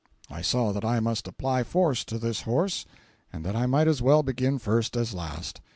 I saw that I must apply force to this horse, and that I might as well begin first as last.